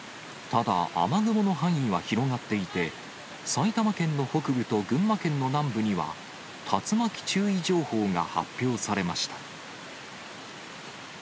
ただ、雨雲の範囲は広がっていて、埼玉県の北部と群馬県の南部には、竜巻注意情報が発表されました。